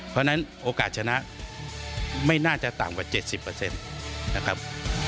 เพราะฉะนั้นโอกาสชนะไม่น่าจะต่ำกว่า๗๐นะครับ